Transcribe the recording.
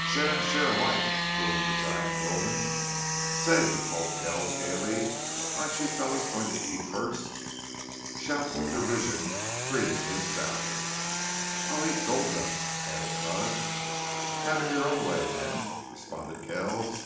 "Share and share alike!" boomed the giant Gulden. "Say!" called Kells, gaily, "aren't you fellows going to eat first?" Shouts of derision greeted his sally. "I'll eat gold dust," added Budd. "Have it your own way, men," responded Kells.